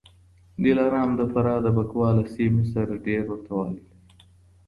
دلارام د فراه د بکواه له سیمې سره ډېر ورته والی لري